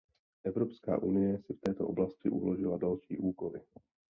Evropská unie si v této oblasti uložila další úkoly.